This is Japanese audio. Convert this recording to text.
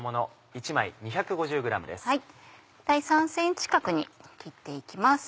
大体３ｃｍ角に切って行きます。